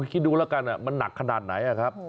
คิดดูแล้วกันมันหนักขนาดไหนครับ